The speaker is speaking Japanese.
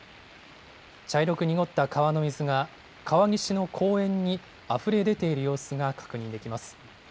茶色く濁った川の水が川岸の公園にあふれ出ている様子が確認できます。